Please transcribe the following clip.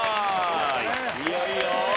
いいよいいよ。